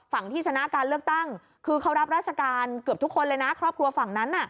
ฝั่งที่ชนะการเลือกตั้งคือเขารับราชการเกือบทุกคนเลยนะครอบครัวฝั่งนั้นน่ะ